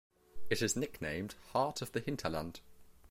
It is nicknamed "Heart of the Hinterland".